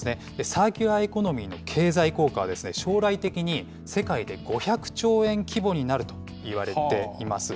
サーキュラーエコノミーの経済効果は、将来的に、世界で５００兆円規模になるといわれています。